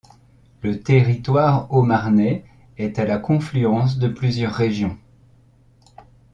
Le territoire haut-marnais est à la confluence de plusieurs régions.